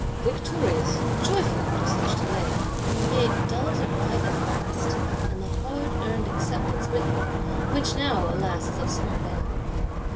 Victorious, joyful after such delay, Mounier does arrive at last, and the hard earned Acceptance with him; which now, alas, is of small value.